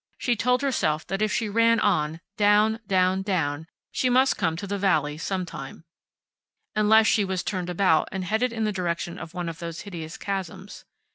She told herself that if she ran on, down, down, down, she must come to the valley sometime. Unless she was turned about, and headed in the direction of one of those hideous chasms.